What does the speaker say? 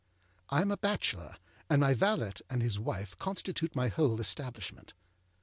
I am a bachelor, and my valet and his wife constitute my whole establishment.